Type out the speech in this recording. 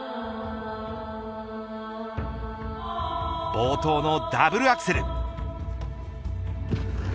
冒頭のダブルアクセル。